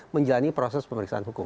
menjalani proses pemeriksaan hukum